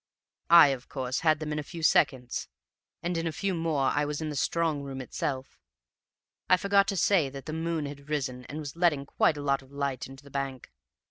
"I, of course, had them in a few seconds, and in a few more I was in the strong room itself. I forgot to say that the moon had risen and was letting quite a lot of light into the bank.